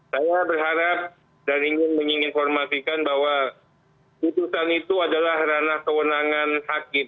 saya berharap dan ingin menginformasikan bahwa putusan itu adalah ranah kewenangan hakim